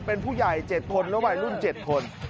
เป็นผู้ใหญ่๗คนและวัยรุ่น๗คน